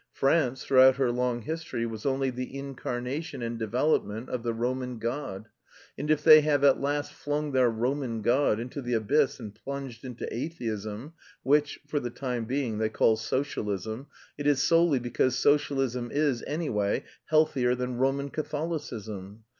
France throughout her long history was only the incarnation and development of the Roman god, and if they have at last flung their Roman god into the abyss and plunged into atheism, which, for the time being, they call socialism, it is solely because socialism is, anyway, healthier than Roman Catholicism.